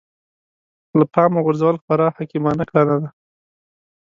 له پامه غورځول خورا حکيمانه کړنه ده.